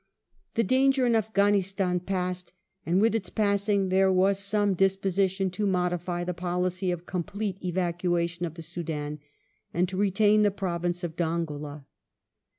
The The danger in Afghanistan passed, and with its passing there sequel of ^^g some disposition to modify the policy of complete evacuation of the of the Soudan, and to retain the province of Dongola.